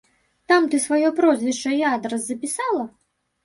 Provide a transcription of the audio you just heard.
Там ты сваё прозвішча і адрас запісала?